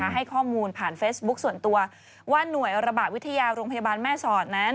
ให้ข้อมูลผ่านเฟซบุ๊คส่วนตัวว่าหน่วยระบาดวิทยาโรงพยาบาลแม่สอดนั้น